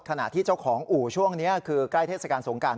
ขณะที่เจ้าของอู่ช่วงนี้คือใกล้เทศกาลสงการ